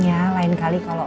aduh bu sara